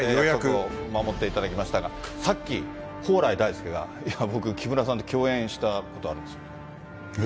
守っていただきましたが、さっき、蓬莱大介が、いやぁ、僕、木村さんと共演したことがあるんですよえっ？